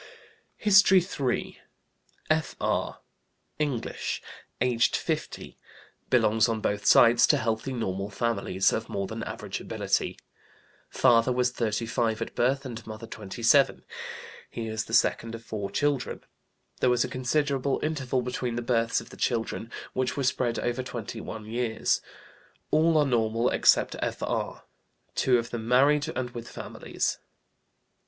HISTORY III. F.R., English, aged 50, Belongs on both sides to healthy, normal families, of more than average ability. Father was 35 at birth, and mother 27. He is the second of four children. There was a considerable interval between the births of the children, which were spread over twenty one years. All are normal, except F.R., two of them married and with families.